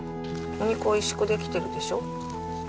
お肉おいしくできてるでしょ。